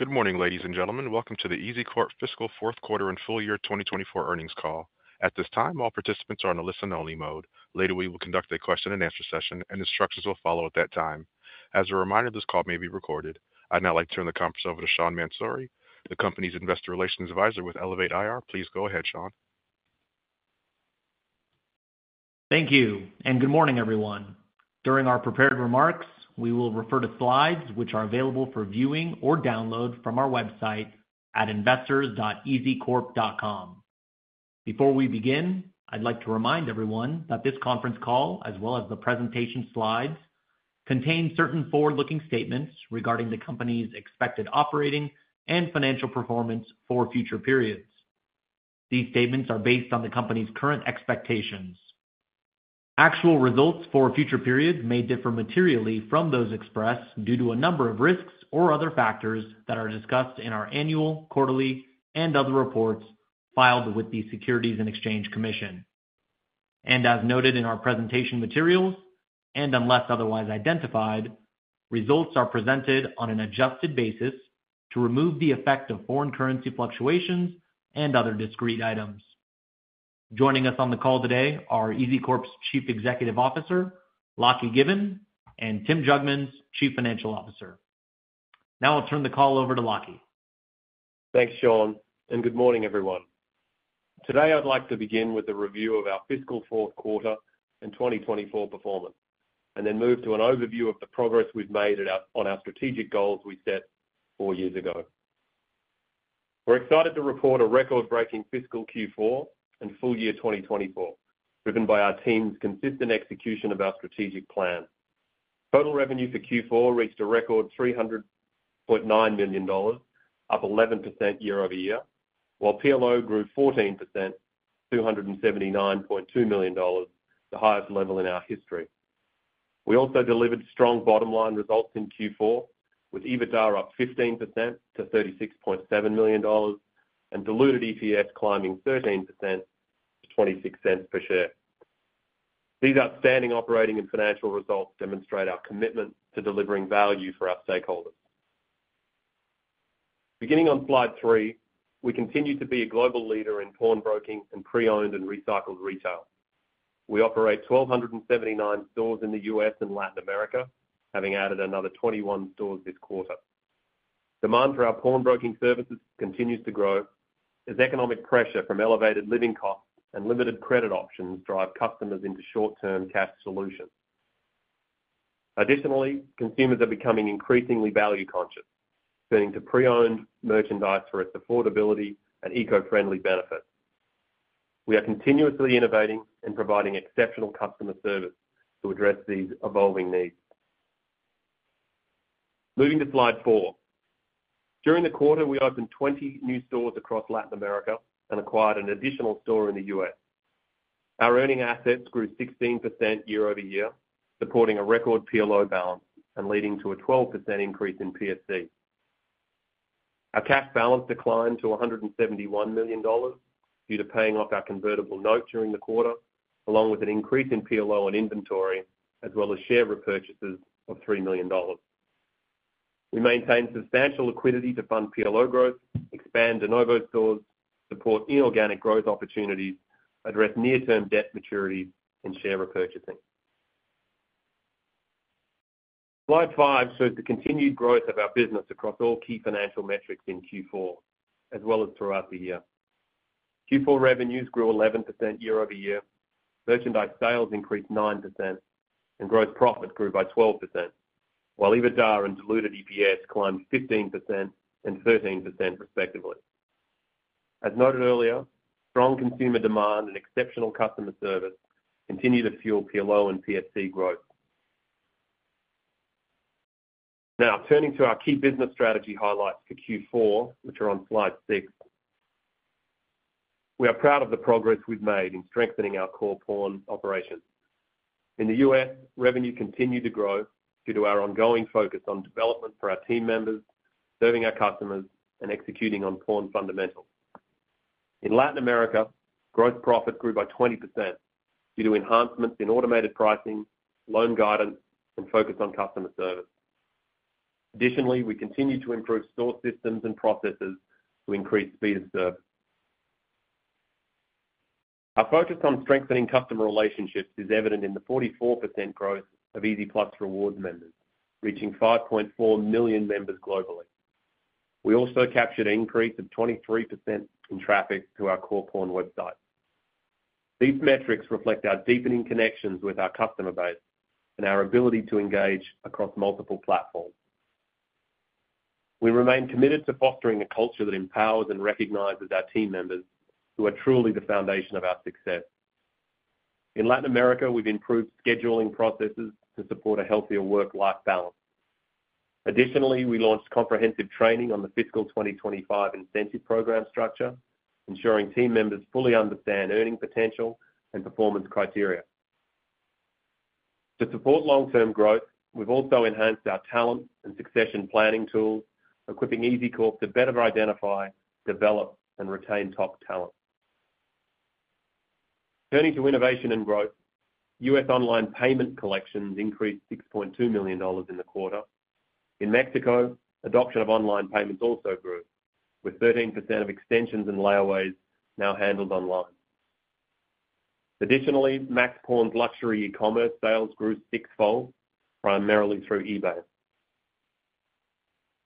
Good morning, ladies and gentlemen. Welcome to the EZCORP fiscal fourth quarter and full year 2024 earnings call. At this time, all participants are on a listen-only mode. Later, we will conduct a question-and-answer session, and instructions will follow at that time. As a reminder, this call may be recorded. I'd now like to turn the conference over to Sean Mansouri, the company's investor relations advisor with Elevate IR. Please go ahead, Sean. Thank you, and good morning, everyone. During our prepared remarks, we will refer to slides which are available for viewing or download from our website at investors.ezcorp.com. Before we begin, I'd like to remind everyone that this conference call, as well as the presentation slides, contain certain forward-looking statements regarding the company's expected operating and financial performance for future periods. These statements are based on the company's current expectations. Actual results for future periods may differ materially from those expressed due to a number of risks or other factors that are discussed in our annual, quarterly, and other reports filed with the Securities and Exchange Commission, and as noted in our presentation materials, and unless otherwise identified, results are presented on an adjusted basis to remove the effect of foreign currency fluctuations and other discrete items. Joining us on the call today are EZCORP's Chief Executive Officer, Lachie Given, and Tim Jugmans, Chief Financial Officer. Now I'll turn the call over to Lachie. Thanks, Sean, and good morning, everyone. Today, I'd like to begin with a review of our fiscal fourth quarter and 2024 performance, and then move to an overview of the progress we've made on our strategic goals we set four years ago. We're excited to report a record-breaking fiscal Q4 and full year 2024, driven by our team's consistent execution of our strategic plan. Total revenue for Q4 reached a record $300.9 million, up 11% year-over-year, while PLO grew 14% to $279.2 million, the highest level in our history. We also delivered strong bottom-line results in Q4, with EBITDA up 15% to $36.7 million, and diluted EPS climbing 13% to $0.26 per share. These outstanding operating and financial results demonstrate our commitment to delivering value for our stakeholders. Beginning on slide three, we continue to be a global leader in pawnbroking and pre-owned and recycled retail. We operate 1,279 stores in the U.S. and Latin America, having added another 21 stores this quarter. Demand for our pawnbroking services continues to grow, as economic pressure from elevated living costs and limited credit options drives customers into short-term cash solutions. Additionally, consumers are becoming increasingly value-conscious, turning to pre-owned merchandise for its affordability and eco-friendly benefits. We are continuously innovating and providing exceptional customer service to address these evolving needs. Moving to slide four, during the quarter, we opened 20 new stores across Latin America and acquired an additional store in the U.S. Our earning assets grew 16% year-over-year, supporting a record PLO balance and leading to a 12% increase in PSC. Our cash balance declined to $171 million due to paying off our convertible note during the quarter, along with an increase in PLO and inventory, as well as share repurchases of $3 million. We maintain substantial liquidity to fund PLO growth, expand de novo stores, support inorganic growth opportunities, address near-term debt maturities, and share repurchasing. Slide five shows the continued growth of our business across all key financial metrics in Q4, as well as throughout the year. Q4 revenues grew 11% year-over-year, merchandise sales increased 9%, and gross profits grew by 12%, while EBITDA and diluted EPS climbed 15% and 13%, respectively. As noted earlier, strong consumer demand and exceptional customer service continue to fuel PLO and PSC growth. Now, turning to our key business strategy highlights for Q4, which are on slide six, we are proud of the progress we've made in strengthening our core pawn operations. In the U.S., revenue continued to grow due to our ongoing focus on development for our team members, serving our customers, and executing on pawn fundamentals. In Latin America, gross profit grew by 20% due to enhancements in automated pricing, loan guidance, and focus on customer service. Additionally, we continue to improve store systems and processes to increase speed of service. Our focus on strengthening customer relationships is evident in the 44% growth of EZ+ Rewards members, reaching 5.4 million members globally. We also captured an increase of 23% in traffic to our core pawn website. These metrics reflect our deepening connections with our customer base and our ability to engage across multiple platforms. We remain committed to fostering a culture that empowers and recognizes our team members, who are truly the foundation of our success. In Latin America, we've improved scheduling processes to support a healthier work-life balance. Additionally, we launched comprehensive training on the fiscal 2025 incentive program structure, ensuring team members fully understand earning potential and performance criteria. To support long-term growth, we've also enhanced our talent and succession planning tools, equipping EZCORP to better identify, develop, and retain top talent. Turning to innovation and growth, U.S. online payment collections increased $6.2 million in the quarter. In Mexico, adoption of online payments also grew, with 13% of extensions and layaways now handled online. Additionally, Max Pawn's luxury e-commerce sales grew sixfold, primarily through eBay.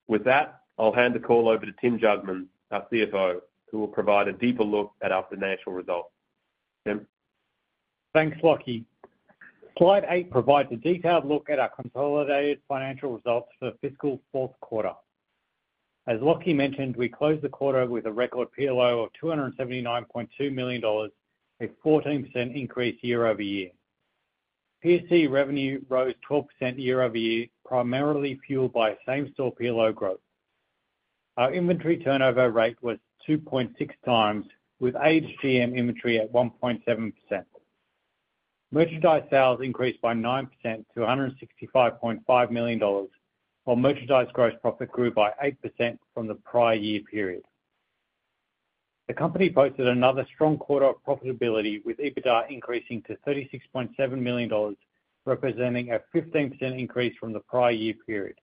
With that, I'll hand the call over to Tim Jugmans, our CFO, who will provide a deeper look at our financial results. Tim. Thanks, Lachie. Slide eight provides a detailed look at our consolidated financial results for fiscal fourth quarter. As Lachie mentioned, we closed the quarter with a record PLO of $279.2 million, a 14% increase year-over-year. PSC revenue rose 12% year-over-year, primarily fueled by same-store PLO growth. Our inventory turnover rate was 2.6x, with aged GM inventory at 1.7%. merchandise sales increased by 9% to $165.5 million, while merchandise gross profit grew by 8% from the prior year period. The company posted another strong quarter of profitability, with EBITDA increasing to $36.7 million, representing a 15% increase from the prior year period.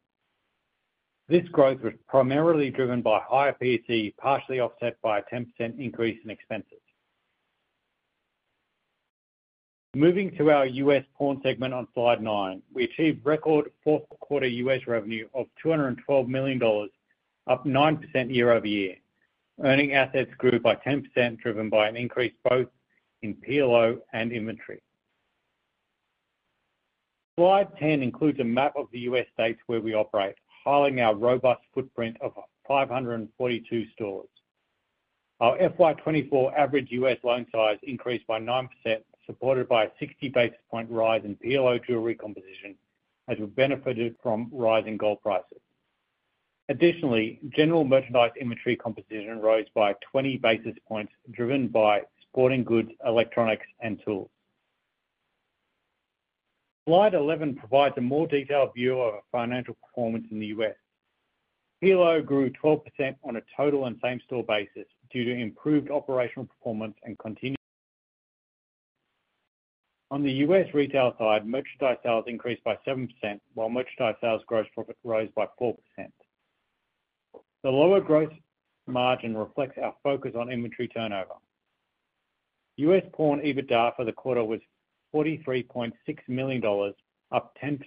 This growth was primarily driven by higher PSC, partially offset by a 10% increase in expenses. Moving to our U.S. pawn segment on slide nine, we achieved record fourth quarter U.S. revenue of $212 million, up 9% year-over-year. Earning assets grew by 10%, driven by an increase both in PLO and inventory. Slide 10 includes a map of the U.S. states where we operate, highlighting our robust footprint of 542 stores. Our FY 2024 average U.S. loan size increased by 9%, supported by a 60 basis point rise in PLO jewelry composition, as we benefited from rising gold prices. Additionally, general merchandise inventory composition rose by 20 basis points, driven by sporting goods, electronics, and tools. Slide 11 provides a more detailed view of our financial performance in the U.S. PLO grew 12% on a total and same-store basis due to improved operational performance and continued growth. On the U.S. retail side, merchandise sales increased by 7%, while merchandise sales gross profit rose by 4%. The lower gross margin reflects our focus on inventory turnover. U.S. pawn EBITDA for the quarter was $43.6 million, up 10%,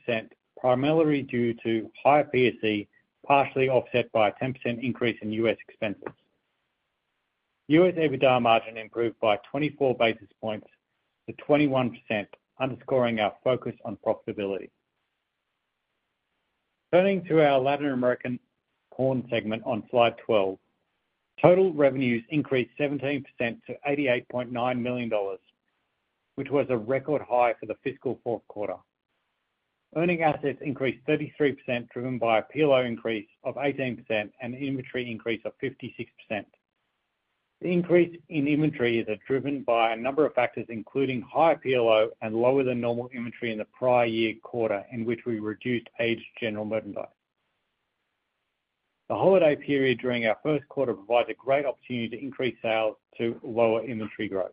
primarily due to higher PSC, partially offset by a 10% increase in U.S. expenses. U.S. EBITDA margin improved by 24 basis points to 21%, underscoring our focus on profitability. Turning to our Latin American pawn segment on slide 12, total revenues increased 17% to $88.9 million, which was a record high for the fiscal fourth quarter. Earning assets increased 33%, driven by a PLO increase of 18% and inventory increase of 56%. The increase in inventory is driven by a number of factors, including higher PLO and lower than normal inventory in the prior year quarter, in which we reduced aged general merchandise. The holiday period during our first quarter provides a great opportunity to increase sales to lower inventory growth.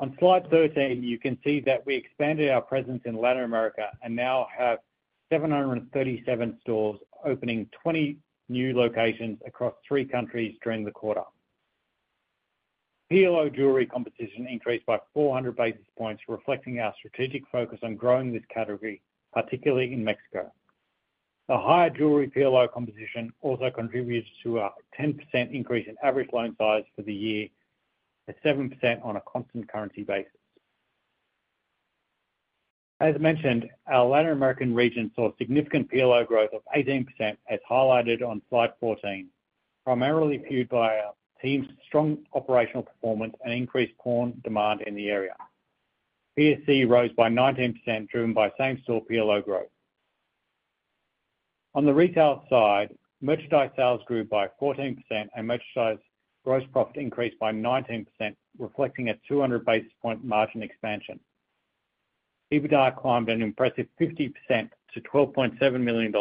On slide 13, you can see that we expanded our presence in Latin America and now have 737 stores, opening 20 new locations across three countries during the quarter. PLO jewelry composition increased by 400 basis points, reflecting our strategic focus on growing this category, particularly in Mexico. A higher jewelry PLO composition also contributes to a 10% increase in average loan size for the year, a 7% on a constant currency basis. As mentioned, our Latin American region saw significant PLO growth of 18%, as highlighted on slide 14, primarily fueled by our team's strong operational performance and increased pawn demand in the area. PSC rose by 19%, driven by same-store PLO growth. On the retail side, merchandise sales grew by 14%, and merchandise gross profit increased by 19%, reflecting a 200 basis point margin expansion. EBITDA climbed an impressive 50% to $12.7 million,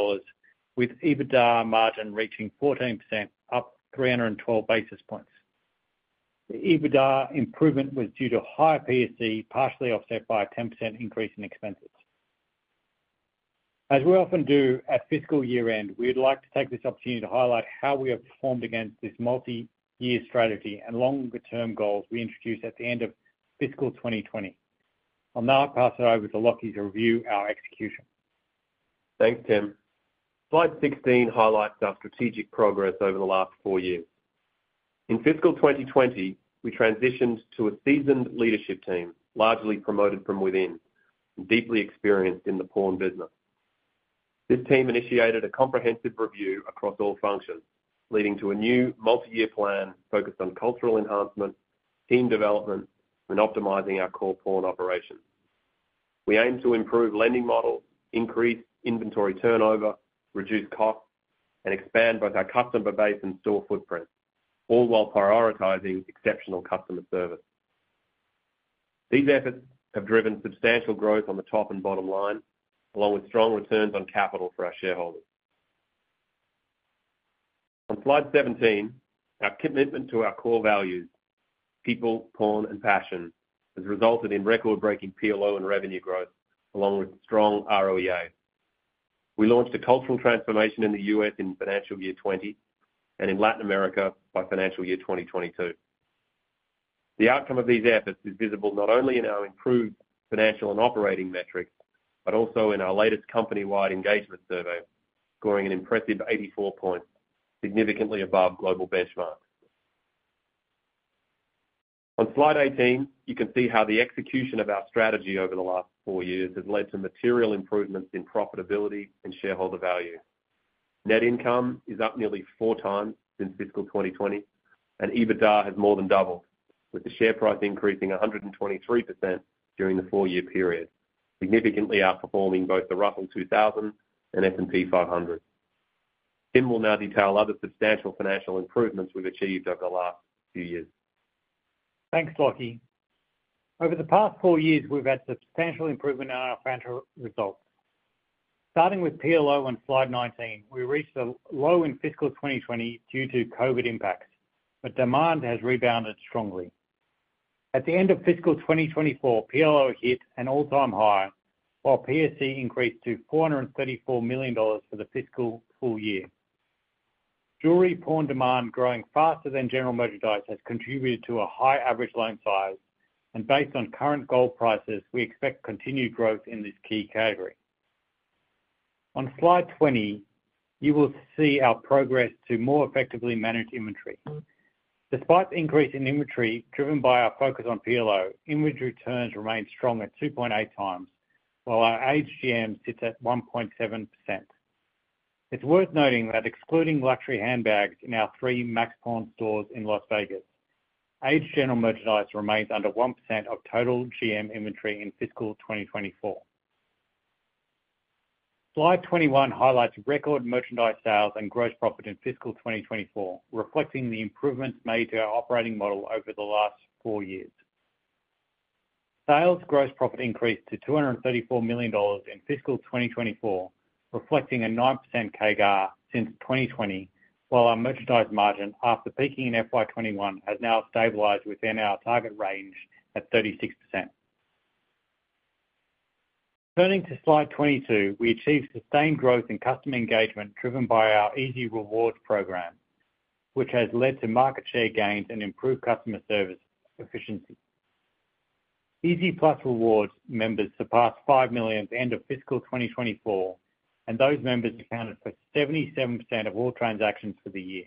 with EBITDA margin reaching 14%, up 312 basis points. The EBITDA improvement was due to higher PSC, partially offset by a 10% increase in expenses. As we often do at fiscal year end, we'd like to take this opportunity to highlight how we have performed against this multi-year strategy and longer-term goals we introduced at the end of fiscal 2020. I'll now pass it over to Lachie to review our execution. Thanks, Tim. Slide 16 highlights our strategic progress over the last four years. In fiscal 2020, we transitioned to a seasoned leadership team, largely promoted from within, deeply experienced in the pawn business. This team initiated a comprehensive review across all functions, leading to a new multi-year plan focused on cultural enhancement, team development, and optimizing our core pawn operations. We aim to improve lending models, increase inventory turnover, reduce costs, and expand both our customer base and store footprint, all while prioritizing exceptional customer service. These efforts have driven substantial growth on the top and bottom line, along with strong returns on capital for our shareholders. On slide 17, our commitment to our core values, people, pawn, and passion, has resulted in record-breaking PLO and revenue growth, along with strong ROEA. We launched a cultural transformation in the U.S. in financial year 2020 and in Latin America by financial year 2022. The outcome of these efforts is visible not only in our improved financial and operating metrics, but also in our latest company-wide engagement survey, scoring an impressive 84 points, significantly above global benchmarks. On slide 18, you can see how the execution of our strategy over the last four years has led to material improvements in profitability and shareholder value. Net income is up nearly four times since fiscal 2020, and EBITDA has more than doubled, with the share price increasing 123% during the four-year period, significantly outperforming both the Russell 2000 and S&P 500. Tim will now detail other substantial financial improvements we've achieved over the last few years. Thanks, Lachie. Over the past four years, we've had substantial improvement in our financial results. Starting with PLO on slide 19, we reached a low in fiscal 2020 due to COVID impacts, but demand has rebounded strongly. At the end of fiscal 2024, PLO hit an all-time high, while PSC increased to $434 million for the fiscal full year. Jewelry pawn demand, growing faster than general merchandise, has contributed to a high average loan size, and based on current gold prices, we expect continued growth in this key category. On slide 20, you will see our progress to more effectively manage inventory. Despite the increase in inventory, driven by our focus on PLO, inventory turns remain strong at 2.8x, while our aged GM sits at 1.7%. It's worth noting that excluding luxury handbags in our three Max Pawn stores in Las Vegas, aged general merchandise remains under 1% of total GM inventory in fiscal 2024. Slide 21 highlights record merchandise sales and gross profit in fiscal 2024, reflecting the improvements made to our operating model over the last four years. Sales gross profit increased to $234 million in fiscal 2024, reflecting a 9% CAGR since 2020, while our merchandise margin, after peaking in FY 2021, has now stabilized within our target range at 36%. Turning to slide 22, we achieved sustained growth in customer engagement, driven by our EZ Rewards program, which has led to market share gains and improved customer service efficiency. EZ+ Rewards members surpassed five million at the end of fiscal 2024, and those members accounted for 77% of all transactions for the year.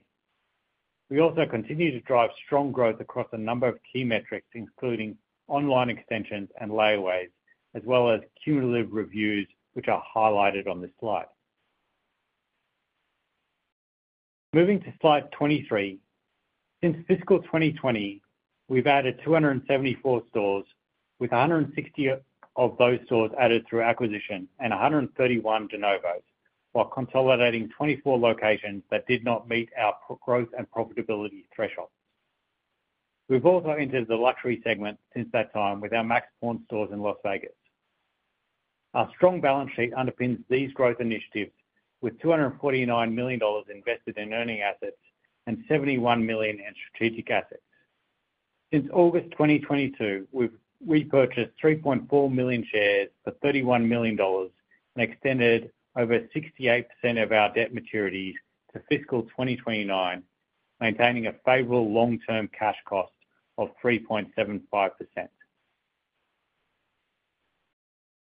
We also continue to drive strong growth across a number of key metrics, including online extensions and layaways, as well as cumulative reviews, which are highlighted on this slide. Moving to slide 23, since fiscal 2020, we've added 274 stores, with 160 of those stores added through acquisition and 131 de novos, while consolidating 24 locations that did not meet our growth and profitability thresholds. We've also entered the luxury segment since that time with our Max Pawn stores in Las Vegas. Our strong balance sheet underpins these growth initiatives, with $249 million invested in earning assets and $71 million in strategic assets. Since August 2022, we've repurchased 3.4 million shares for $31 million and extended over 68% of our debt maturities to fiscal 2029, maintaining a favorable long-term cash cost of 3.75%.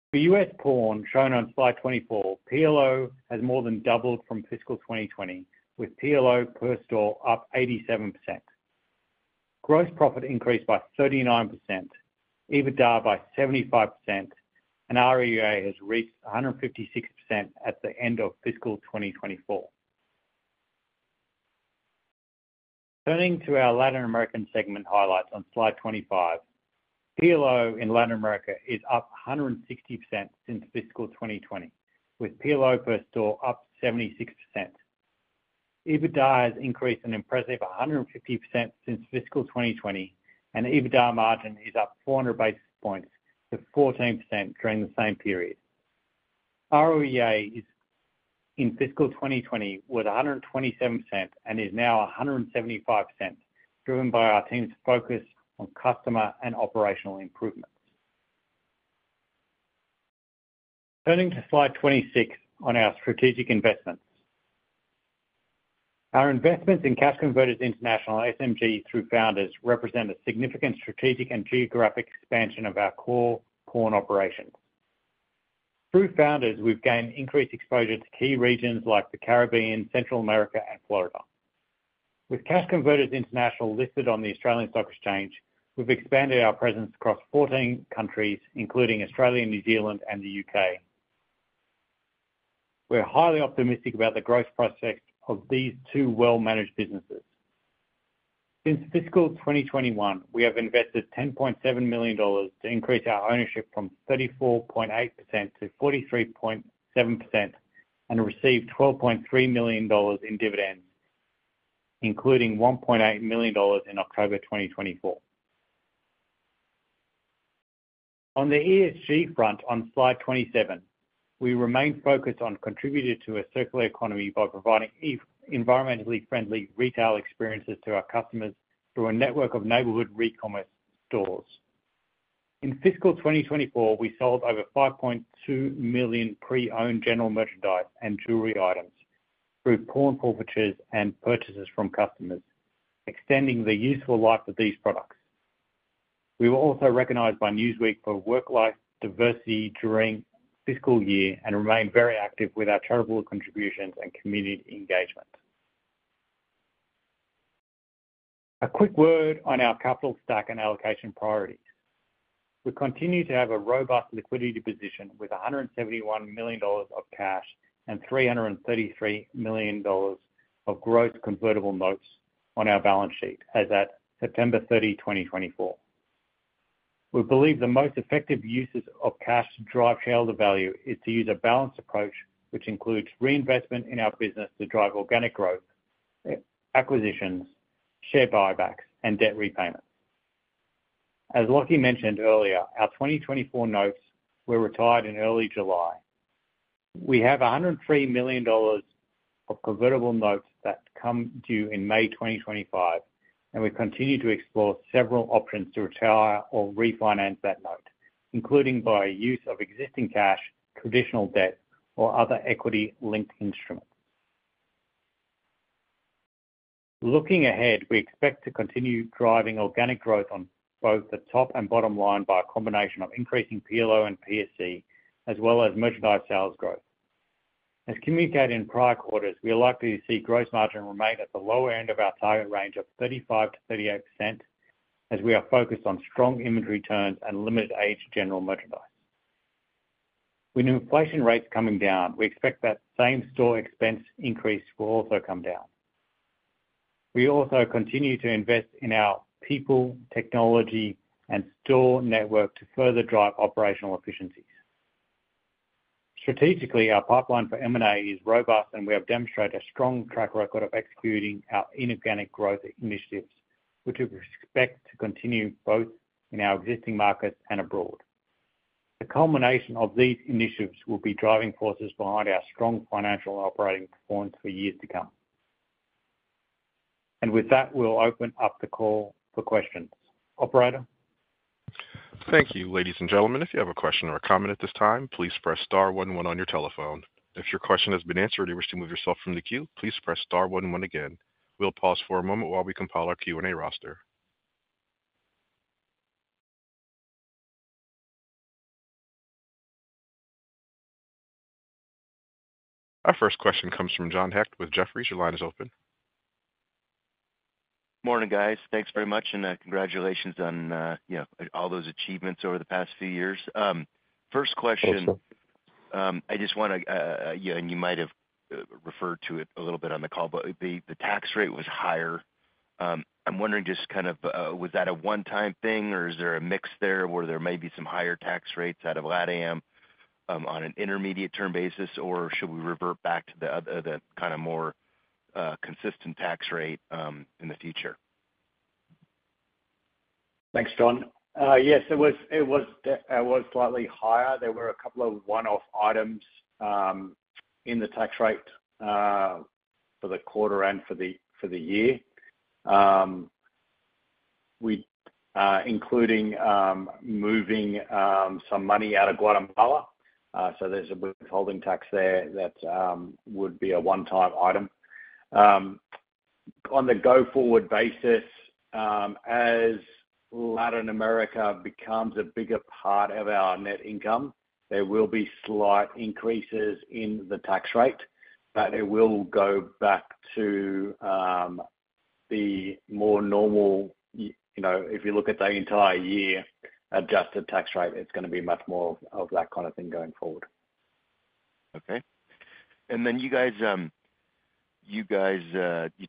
For U.S. pawn, shown on slide 24, PLO has more than doubled from fiscal 2020, with PLO per store up 87%. Gross profit increased by 39%, EBITDA by 75%, and ROEA has reached 156% at the end of fiscal 2024. Turning to our Latin American segment highlights on slide 25, PLO in Latin America is up 160% since fiscal 2020, with PLO per store up 76%. EBITDA has increased an impressive 150% since fiscal 2020, and EBITDA margin is up 400 basis points to 14% during the same period. ROEA in fiscal 2020 was 127% and is now 175%, driven by our team's focus on customer and operational improvements. Turning to slide 26 on our strategic investments. Our investments in Cash Converters International and SMG through Founders represent a significant strategic and geographic expansion of our core pawn operations. Through Founders, we've gained increased exposure to key regions like the Caribbean, Central America, and Florida. With Cash Converters International listed on the Australian Securities Exchange, we've expanded our presence across 14 countries, including Australia, New Zealand, and the U.K. We're highly optimistic about the growth prospects of these two well-managed businesses. Since fiscal 2021, we have invested $10.7 million to increase our ownership from 34.8% to 43.7% and received $12.3 million in dividends, including $1.8 million in October 2024. On the ESG front, on slide 27, we remain focused on contributing to a circular economy by providing environmentally friendly retail experiences to our customers through a network of neighborhood re-commerce stores. In fiscal 2024, we sold over 5.2 million pre-owned general merchandise and jewelry items through pawn forfeitures and purchases from customers, extending the useful life of these products. We were also recognized by Newsweek for work-life diversity during fiscal year, and remain very active with our charitable contributions and community engagement. A quick word on our capital stack and allocation priorities. We continue to have a robust liquidity position with $171 million of cash and $333 million of gross convertible notes on our balance sheet as at September 30, 2024. We believe the most effective uses of cash to drive shareholder value is to use a balanced approach, which includes reinvestment in our business to drive organic growth, acquisitions, share buybacks, and debt repayments. As Lachie mentioned earlier, our 2024 notes were retired in early July. We have $103 million of convertible notes that come due in May 2025, and we continue to explore several options to retire or refinance that note, including by use of existing cash, traditional debt, or other equity-linked instruments. Looking ahead, we expect to continue driving organic growth on both the top and bottom line by a combination of increasing PLO and PSC, as well as merchandise sales growth. As communicated in prior quarters, we are likely to see gross margin remain at the lower end of our target range of 35%-38%, as we are focused on strong inventory turns and limited-aged general merchandise. With inflation rates coming down, we expect that same store expense increase will also come down. We also continue to invest in our people, technology, and store network to further drive operational efficiencies. Strategically, our pipeline for M&A is robust, and we have demonstrated a strong track record of executing our inorganic growth initiatives, which we expect to continue both in our existing markets and abroad. The culmination of these initiatives will be driving forces behind our strong financial operating performance for years to come, and with that, we'll open up the call for questions. Operator. Thank you, ladies and gentlemen. If you have a question or a comment at this time, please press star one one on your telephone. If your question has been answered or you wish to move yourself from the queue, please press star one one again. We'll pause for a moment while we compile our Q&A roster. Our first question comes from John Hecht with Jefferies. Your line is open. Morning, guys. Thanks very much, and congratulations on all those achievements over the past few years. First question, I just want to, and you might have referred to it a little bit on the call, but the tax rate was higher. I'm wondering, just kind of, was that a one-time thing, or is there a mix there where there may be some higher tax rates out of LatAm on an intermediate-term basis, or should we revert back to the kind of more consistent tax rate in the future? Thanks, John. Yes, it was slightly higher. There were a couple of one-off items in the tax rate for the quarter and for the year, including moving some money out of Guatemala. So there's a withholding tax there that would be a one-time item. On the go-forward basis, as Latin America becomes a bigger part of our net income, there will be slight increases in the tax rate, but it will go back to the more normal, if you look at the entire year adjusted tax rate, it's going to be much more of that kind of thing going forward. Okay. And then you guys, you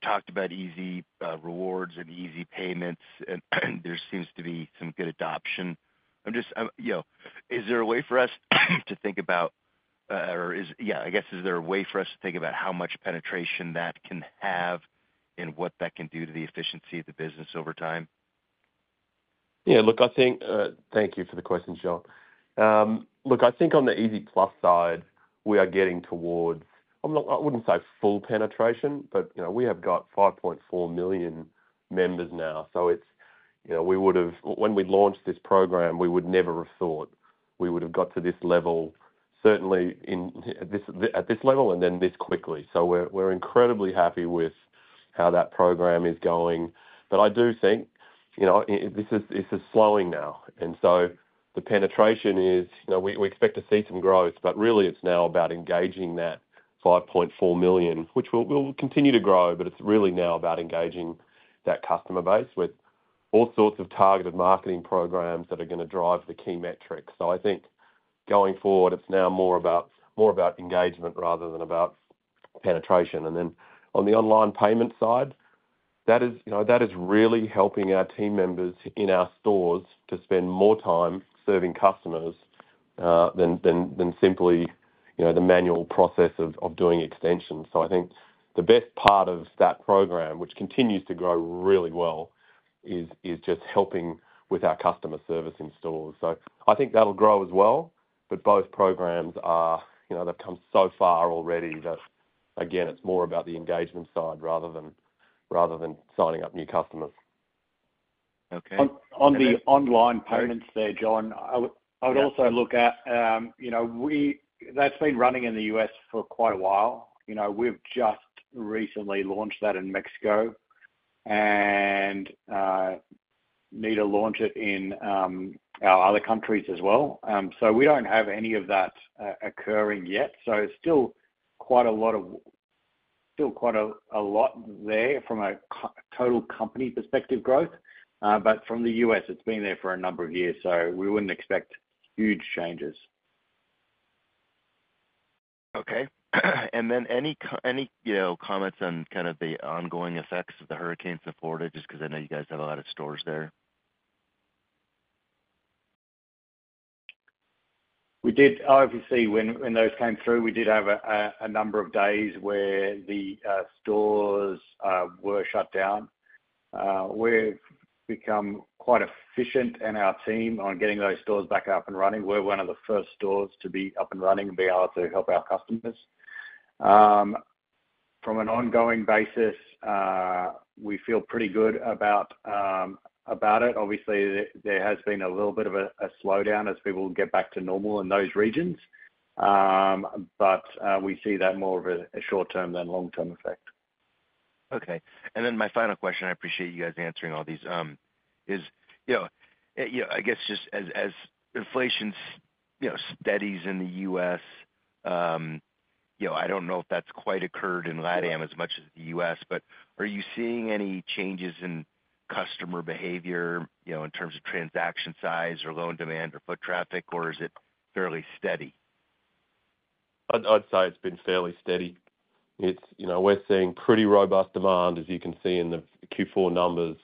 talked about EZ Rewards and EZ Payments, and there seems to be some good adoption. Is there a way for us to think about how much penetration that can have and what that can do to the efficiency of the business over time? Yeah. Look, I think, thank you for the question, John. Look, I think on the EZ+ side, we are getting towards. I wouldn't say full penetration, but we have got 5.4 million members now. So we would have, when we launched this program, we would never have thought we would have got to this level, certainly at this level, and then this quickly. So we're incredibly happy with how that program is going. But I do think this is slowing now. And so the penetration is. We expect to see some growth, but really, it's now about engaging that 5.4 million, which will continue to grow, but it's really now about engaging that customer base with all sorts of targeted marketing programs that are going to drive the key metrics. So I think going forward, it's now more about engagement rather than about penetration. And then on the online payment side, that is really helping our team members in our stores to spend more time serving customers than simply the manual process of doing extensions. So I think the best part of that program, which continues to grow really well, is just helping with our customer service in stores. So I think that'll grow as well, but both programs have come so far already that, again, it's more about the engagement side rather than signing up new customers. On the online payments there, John, I would also look at that. That's been running in the U.S. for quite a while. We've just recently launched that in Mexico and need to launch it in our other countries as well. So we don't have any of that occurring yet. So it's still quite a lot there from a total company perspective growth, but from the U.S., it's been there for a number of years, so we wouldn't expect huge changes. Okay, and then any comments on kind of the ongoing effects of the hurricane support, just because I know you guys have a lot of stores there? We did. Obviously, when those came through, we did have a number of days where the stores were shut down. We've become quite efficient in our team on getting those stores back up and running. We're one of the first stores to be up and running and be able to help our customers. From an ongoing basis, we feel pretty good about it. Obviously, there has been a little bit of a slowdown as people get back to normal in those regions, but we see that more of a short-term than long-term effect. Okay. And then my final question, I appreciate you guys answering all these, is, I guess, just as inflation steadies in the U.S., I don't know if that's quite occurred in LatAm as much as the U.S., but are you seeing any changes in customer behavior in terms of transaction size or loan demand or foot traffic, or is it fairly steady? I'd say it's been fairly steady. We're seeing pretty robust demand, as you can see in the Q4 numbers,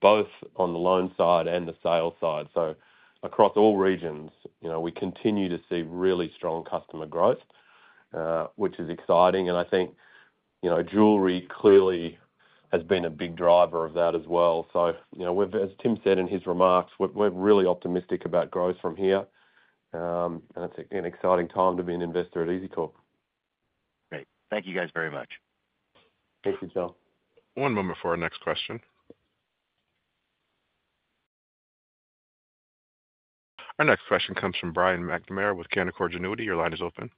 both on the loan side and the sales side, so across all regions, we continue to see really strong customer growth, which is exciting, and I think jewelry clearly has been a big driver of that as well, so as Tim said in his remarks, we're really optimistic about growth from here, and it's an exciting time to be an investor at EZCORP. Great. Thank you guys very much. Thank you, John. One moment for our next question. Our next question comes from Brian McNamara with Canaccord Genuity. Your line is open.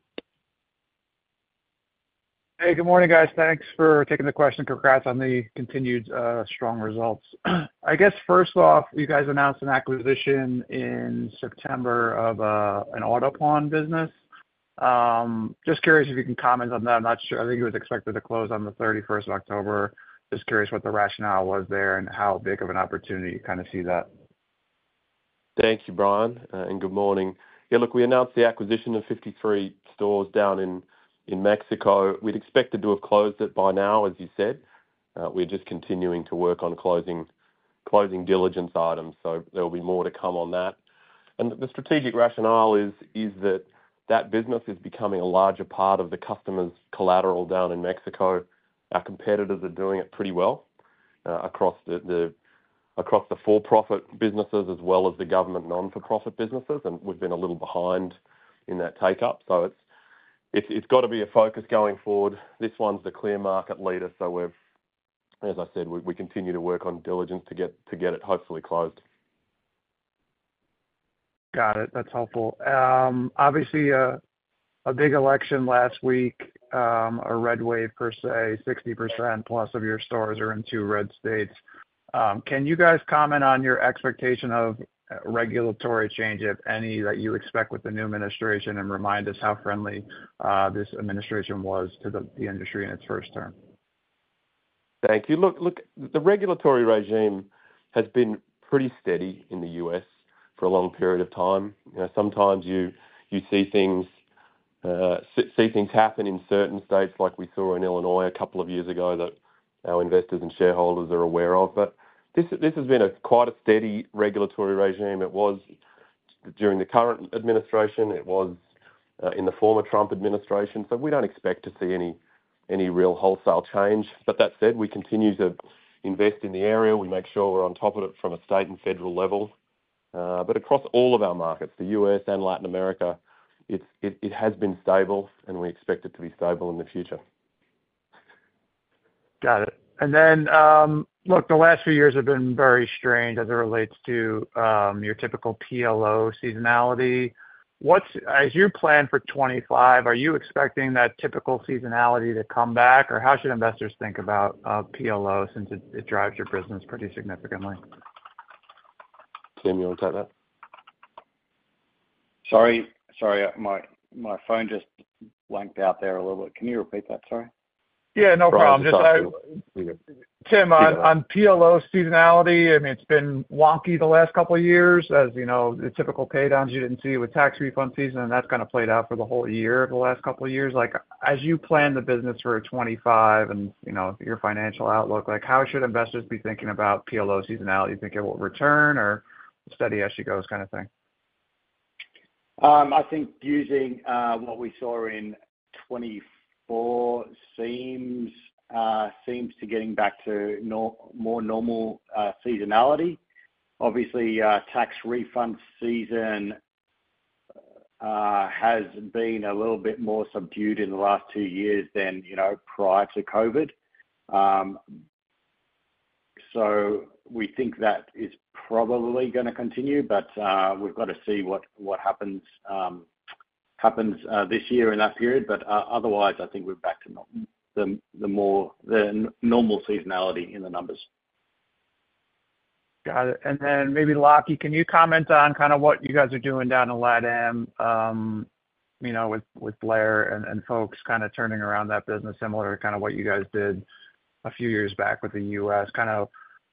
Hey, good morning, guys. Thanks for taking the question. Congrats on the continued strong results. I guess, first off, you guys announced an acquisition in September of an auto pawn business. Just curious if you can comment on that. I'm not sure. I think it was expected to close on the 31st of October. Just curious what the rationale was there and how big of an opportunity you kind of see that. Thanks, Brian. And good morning. Yeah, look, we announced the acquisition of 53 stores down in Mexico. We'd expected to have closed it by now, as you said. We're just continuing to work on closing diligence items, so there will be more to come on that. And the strategic rationale is that that business is becoming a larger part of the customer's collateral down in Mexico. Our competitors are doing it pretty well across the for-profit businesses as well as the government non-for-profit businesses, and we've been a little behind in that take-up. So it's got to be a focus going forward. This one's the clear market leader. So as I said, we continue to work on diligence to get it hopefully closed. Got it. That's helpful. Obviously, a big election last week, a red wave per se, 60%+ of your stores are in two red states. Can you guys comment on your expectation of regulatory change, if any, that you expect with the new administration and remind us how friendly this administration was to the industry in its first term? Thank you. Look, the regulatory regime has been pretty steady in the U.S. for a long period of time. Sometimes you see things happen in certain states, like we saw in Illinois a couple of years ago, that our investors and shareholders are aware of. But this has been quite a steady regulatory regime. It was during the current administration. It was in the former Trump administration. So we don't expect to see any real wholesale change. But that said, we continue to invest in the area. We make sure we're on top of it from a state and federal level. But across all of our markets, the U.S. and Latin America, it has been stable, and we expect it to be stable in the future. Got it. And then, look, the last few years have been very strange as it relates to your typical PLO seasonality. As you plan for 2025, are you expecting that typical seasonality to come back, or how should investors think about PLO since it drives your business pretty significantly? Tim, you want to take that? Sorry. Sorry. My phone just blanked out there a little bit. Can you repeat that? Sorry. Yeah, no problem. I'm sorry. Tim, on PLO seasonality, I mean, it's been wonky the last couple of years. As you know, the typical paydowns you didn't see with tax refund season, and that's kind of played out for the whole year of the last couple of years. As you plan the business for 2025 and your financial outlook, how should investors be thinking about PLO seasonality? Do you think it will return or steady as she goes kind of thing? I think using what we saw in 2024 seems to be getting back to more normal seasonality. Obviously, tax refund season has been a little bit more subdued in the last two years than prior to COVID. So we think that is probably going to continue, but we've got to see what happens this year in that period. But otherwise, I think we're back to the more normal seasonality in the numbers. Got it. And then maybe Lachie, can you comment on kind of what you guys are doing down in LatAm with Blair and folks kind of turning around that business similar to kind of what you guys did a few years back with the U.S.? Kind of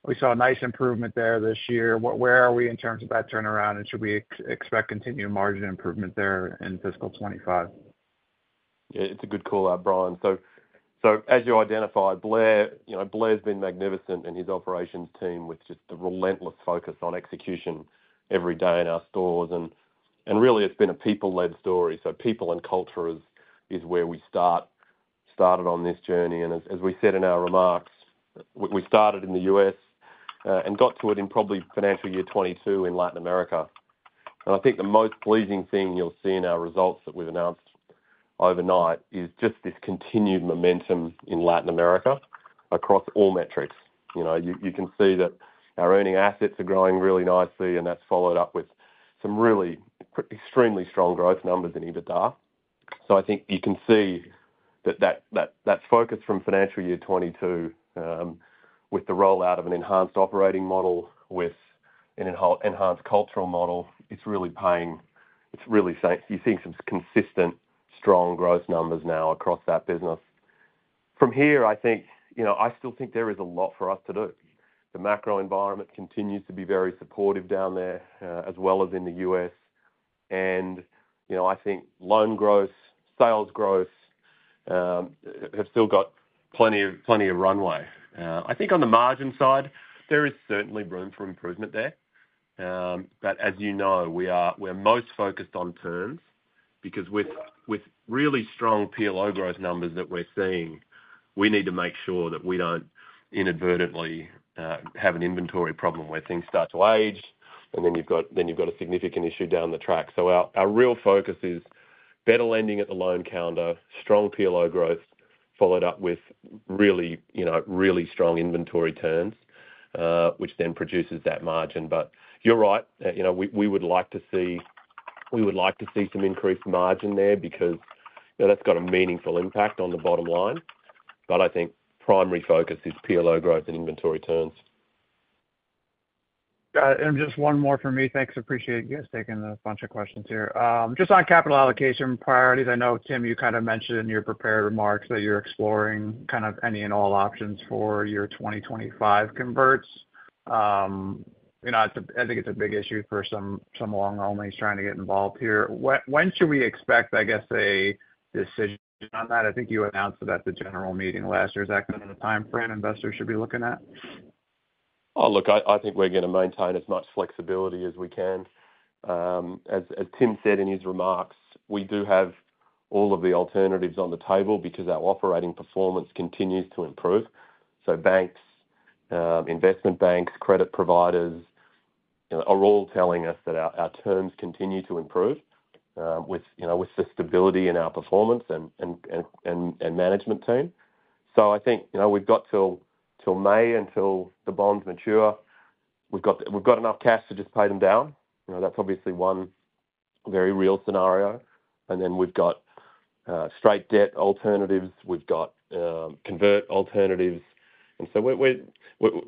we saw a nice improvement there this year. Where are we in terms of that turnaround, and should we expect continued margin improvement there in fiscal 2025? Yeah, it's a good call, Brian. So as you identified, Blair's been magnificent and his operations team with just the relentless focus on execution every day in our stores. And really, it's been a people-led story. So people and culture is where we started on this journey. And as we said in our remarks, we started in the U.S. and got to it in probably financial year 2022 in Latin America. And I think the most pleasing thing you'll see in our results that we've announced overnight is just this continued momentum in Latin America across all metrics. You can see that our earning assets are growing really nicely, and that's followed up with some really extremely strong growth numbers in EBITDA. So, I think you can see that that focus from financial year 2022 with the rollout of an enhanced operating model with an enhanced cultural model. It's really paying. You're seeing some consistent strong growth numbers now across that business. From here, I think I still think there is a lot for us to do. The macro environment continues to be very supportive down there as well as in the U.S. And I think loan growth, sales growth have still got plenty of runway. I think on the margin side, there is certainly room for improvement there. But as you know, we're most focused on terms because with really strong PLO growth numbers that we're seeing, we need to make sure that we don't inadvertently have an inventory problem where things start to age, and then you've got a significant issue down the track. So, our real focus is better lending at the loan counter, strong PLO growth followed up with really, really strong inventory turns, which then produces that margin. But you're right. We would like to see some increased margin there because that's got a meaningful impact on the bottom line. But I think primary focus is PLO growth and inventory turns. Got it. And just one more from me. Thanks. Appreciate you guys taking a bunch of questions here. Just on capital allocation priorities, I know, Tim, you kind of mentioned in your prepared remarks that you're exploring kind of any and all options for your 2025 converts. I think it's a big issue for some long-only trying to get involved here. When should we expect, I guess, a decision on that? I think you announced that at the general meeting last year. Is that kind of the timeframe investors should be looking at? Oh, look, I think we're going to maintain as much flexibility as we can. As Tim said in his remarks, we do have all of the alternatives on the table because our operating performance continues to improve. So banks, investment banks, credit providers are all telling us that our terms continue to improve with the stability in our performance and management team. So I think we've got till May until the bonds mature. We've got enough cash to just pay them down. That's obviously one very real scenario. And then we've got straight debt alternatives. We've got convert alternatives. And so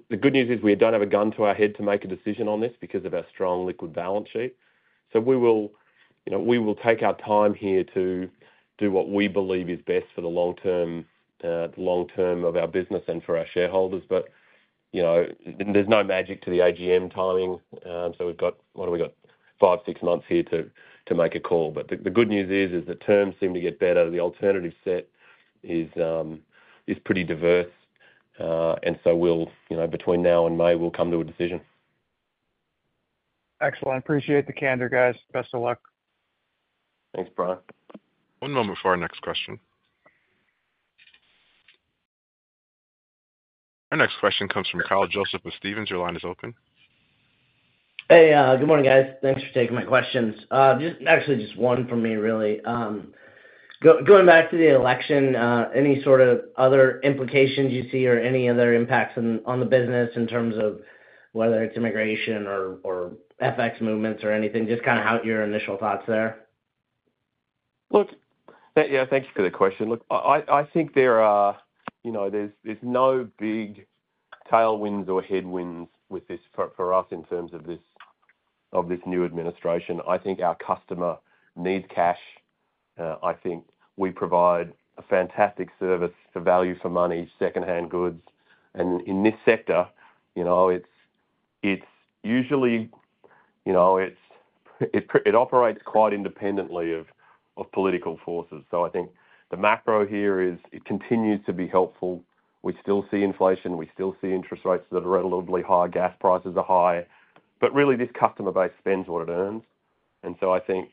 the good news is we don't have a gun to our head to make a decision on this because of our strong liquid balance sheet. So we will take our time here to do what we believe is best for the long term of our business and for our shareholders. But there's no magic to the AGM timing. So we've got what have we got? Five, six months here to make a call. But the good news is that terms seem to get better. The alternative set is pretty diverse. And so between now and May, we'll come to a decision. Excellent. Appreciate the candor, guys. Best of luck. Thanks, Brian. One moment for our next question. Our next question comes from Kyle Joseph of Stephens. Your line is open. Hey, good morning, guys. Thanks for taking my questions. Actually, just one for me, really. Going back to the election, any sort of other implications you see or any other impacts on the business in terms of whether it's immigration or FX movements or anything, just kind of your initial thoughts there? Look, yeah, thank you for the question. Look, I think there's no big tailwinds or headwinds for us in terms of this new administration. I think our customer needs cash. I think we provide a fantastic service for value for money, secondhand goods. And in this sector, it's usually it operates quite independently of political forces. So I think the macro here is it continues to be helpful. We still see inflation. We still see interest rates that are relatively high. Gas prices are high. But really, this customer base spends what it earns. And so I think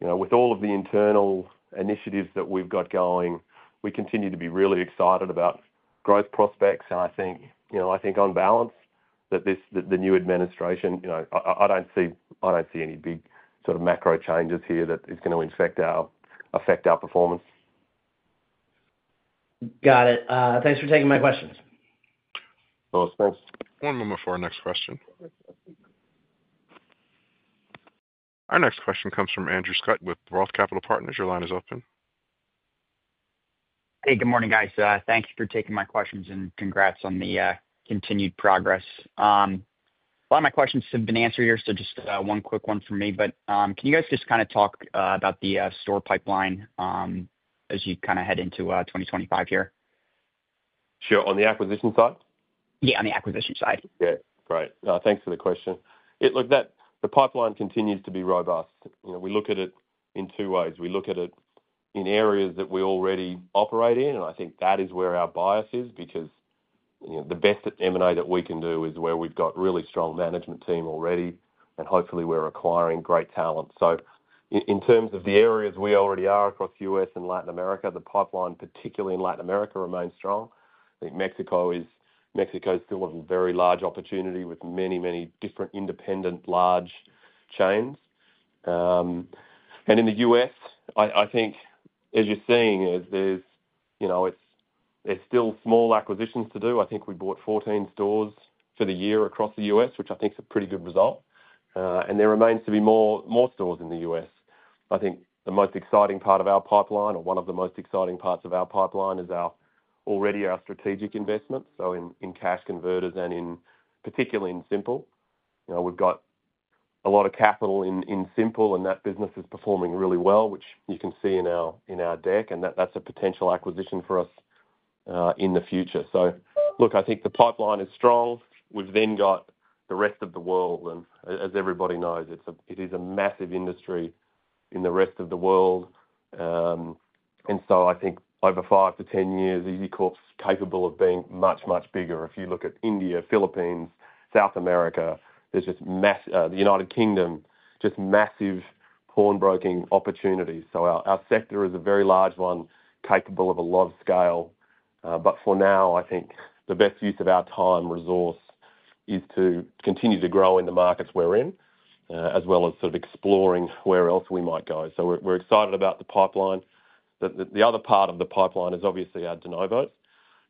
with all of the internal initiatives that we've got going, we continue to be really excited about growth prospects. And I think on balance that the new administration, I don't see any big sort of macro changes here that is going to affect our performance. Got it. Thanks for taking my questions. Of course. Thanks. One moment for our next question. Our next question comes from Andrew Scutt with ROTH Capital Partners. Your line is open. Hey, good morning, guys. Thank you for taking my questions and congrats on the continued progress. A lot of my questions have been answered here, so just one quick one from me. But can you guys just kind of talk about the store pipeline as you kind of head into 2025 here? Sure. On the acquisition side? Yeah, on the acquisition side. Okay. Great. Thanks for the question. Look, the pipeline continues to be robust. We look at it in two ways. We look at it in areas that we already operate in, and I think that is where our bias is because the best M&A that we can do is where we've got really strong management team already, and hopefully, we're acquiring great talent. So in terms of the areas we already are across the U.S. and Latin America, the pipeline, particularly in Latin America, remains strong. I think Mexico is still a very large opportunity with many, many different independent large chains. And in the U.S., I think, as you're seeing, there's still small acquisitions to do. I think we bought 14 stores for the year across the U.S., which I think is a pretty good result. And there remains to be more stores in the U.S. I think the most exciting part of our pipeline, or one of the most exciting parts of our pipeline, is already our strategic investments, so in Cash Converters and particularly in Simple. We've got a lot of capital in Simple, and that business is performing really well, which you can see in our deck. And that's a potential acquisition for us in the future. So look, I think the pipeline is strong. We've then got the rest of the world. And as everybody knows, it is a massive industry in the rest of the world. And so I think over five to 10 years, EZCORP's capable of being much, much bigger. If you look at India, Philippines, South America, there's just the United Kingdom, just massive pawn broking opportunities. So our sector is a very large one, capable of a lot of scale. But for now, I think the best use of our time resource is to continue to grow in the markets we're in, as well as sort of exploring where else we might go. So we're excited about the pipeline. The other part of the pipeline is obviously our de novos.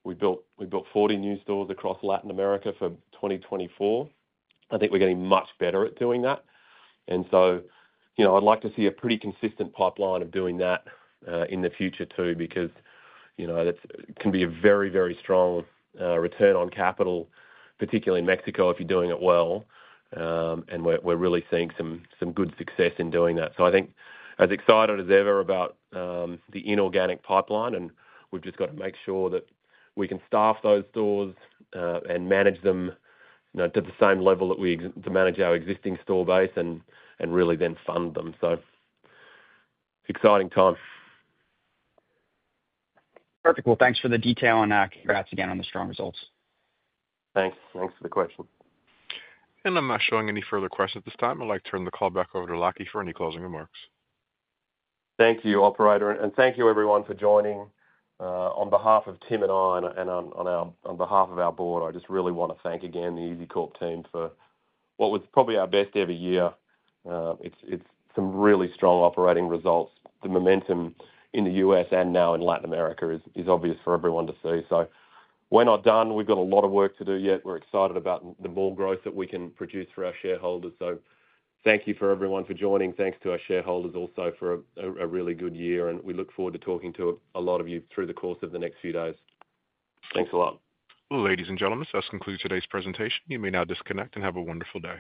We built 40 new stores across Latin America for 2024. I think we're getting much better at doing that. And so I'd like to see a pretty consistent pipeline of doing that in the future too because it can be a very, very strong return on capital, particularly in Mexico if you're doing it well. And we're really seeing some good success in doing that. So I think as excited as ever about the inorganic pipeline, and we've just got to make sure that we can staff those stores and manage them to the same level that we manage our existing store base and really then fund them. So exciting time. Perfect. Well, thanks for the detail, and congrats again on the strong results. Thanks. Thanks for the question. I'm not showing any further questions at this time. I'd like to turn the call back over to Lachie for any closing remarks. Thank you, Operator, and thank you, everyone, for joining. On behalf of Tim and on behalf of our board, I just really want to thank again the EZCORP team for what was probably our best ever year. It's some really strong operating results. The momentum in the U.S. and now in Latin America is obvious for everyone to see, so we're not done. We've got a lot of work to do yet. We're excited about the more growth that we can produce for our shareholders, so thank you for everyone for joining. Thanks to our shareholders also for a really good year, and we look forward to talking to a lot of you through the course of the next few days. Thanks a lot. Ladies and gentlemen, this does conclude today's presentation. You may now disconnect and have a wonderful day.